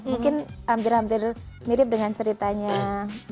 mungkin hampir hampir mirip dengan ceritanya mas raka